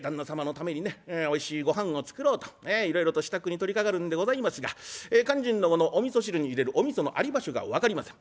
おいしいごはんを作ろうといろいろと支度に取りかかるんでございますが肝心のものお味噌汁に入れるお味噌のあり場所が分かりません。